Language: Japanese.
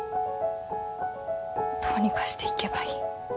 どうにかして行けばいい。